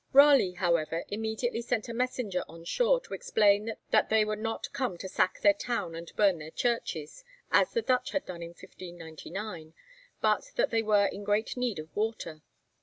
Raleigh, however, immediately sent a messenger on shore to explain that they were not come to sack their town and burn their churches, as the Dutch had done in 1599, but that they were in great need of water.